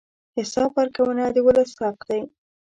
حساب ورکونه د ولس حق دی.